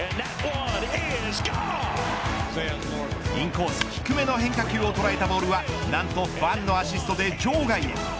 インコース低めの変化球を捉えたボールはなんとファンのアシストで場外へ。